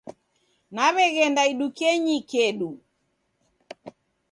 Naw'eghenda idukenyi kedu.